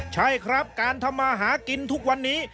ใช่ครับการทำมาหากินทุกวันนี้